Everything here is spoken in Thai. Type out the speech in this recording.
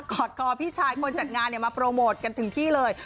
อดคอพี่ชายคนจัดงานมาโปรโมทกันถึงที่เลย